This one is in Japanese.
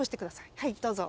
はいどうぞ。